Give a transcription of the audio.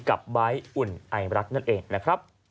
กับบ๊ายอุ่นไอรักนั่นเองนะครับ